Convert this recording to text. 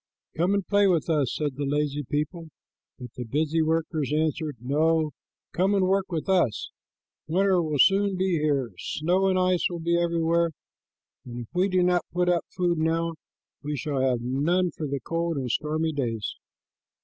"Come and play with us," said the lazy people, but the busy workers answered, "No, come and work with us. Winter will soon be here. Snow and ice will be everywhere, and if we do not put up food now we shall have none for the cold, stormy days."